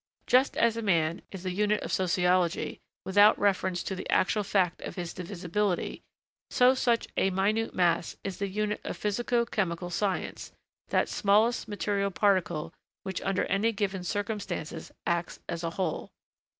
Just as a man is the unit of sociology, without reference to the actual fact of his divisibility, so such a minute mass is the unit of physico chemical science that smallest material particle which under any given circumstances acts as a whole.